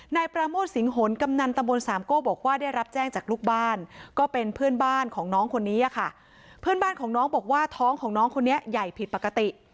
นายปราโมทสิงหนกำนันตำบลสามโก้บอกว่าได้รับแจ้งจากลูกบ้านก็เป็นเพื่อนบ้านของน้องคนนี้อะค่ะเพื่อนบ้านของน้องบอกว่าท้องของน้องคนนี้ใหญ่ผิดปกติ